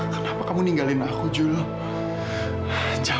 kenapa kamu mampengin aku ya